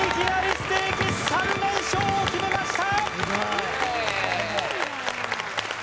ステーキ３連勝を決めました！